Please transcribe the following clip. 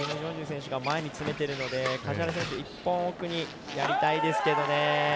手前に詰めてるので梶原選手１本奥にやりたいですね。